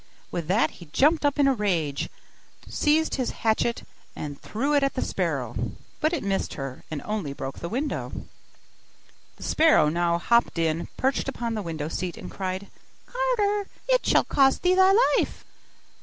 With that he jumped up in a rage, seized his hatchet, and threw it at the sparrow; but it missed her, and only broke the window. The sparrow now hopped in, perched upon the window seat, and cried, 'Carter! it shall cost thee thy life!